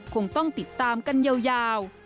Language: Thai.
คงต้องติดตามกันยาว